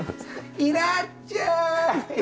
いらっちゃーい！